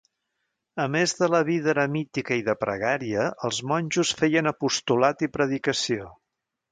A més de la vida eremítica i de pregària, els monjos feien apostolat i predicació.